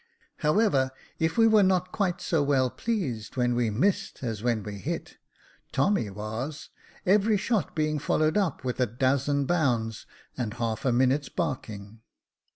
However, if we were not quite so well pleased when we missed as when we hit. Tommy was, every shot being followed up with a dozen bounds, and half a minute's barking.